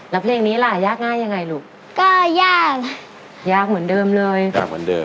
แล้วเพลงนี้ล่ะยากง่ายยังไงลูกก็ยากยากเหมือนเดิมเลยยากเหมือนเดิม